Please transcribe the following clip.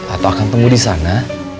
atau akan temu di sana